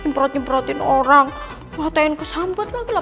nyeberan diperhatiin aku pakai a delapan sama aku kembang ongkongnya